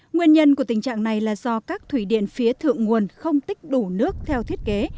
nguyên nhân của tình trạng này là do các thủy điện phía thượng nguồn không tích đủ nước theo thiết kế